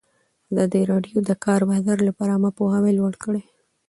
ازادي راډیو د د کار بازار لپاره عامه پوهاوي لوړ کړی.